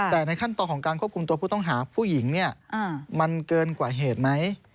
แต่ในขั้นตอนของการควบคุมตัวผู้ต้องหาผู้หญิงเนี่ยมันเกินกว่าเหตุไหม